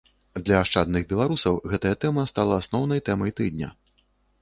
Для ашчадных беларусаў гэтая тэма стала асноўнай тэмай тыдня.